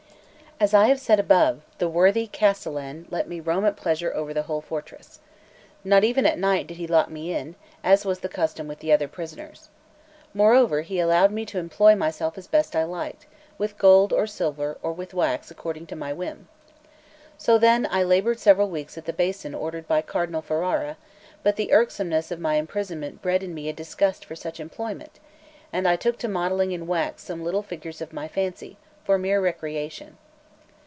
As I have said above, the worthy castellan let me roam at pleasure over the whole fortress. Not even at night did he lock me in, as was the custom with the other prisoners. Moreover, he allowed me to employ myself as I liked best, with gold or silver or with wax according to my whim. So then, I laboured several weeks at the bason ordered by Cardinal Ferrara, but the irksomeness of my imprisonment bred in me a disgust for such employment, and I took to modelling in wax some little figures of my fancy, for mere recreation.